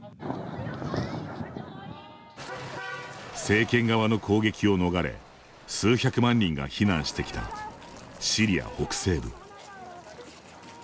政権側の攻撃を逃れ、数百万人が避難してきたシリア北西部。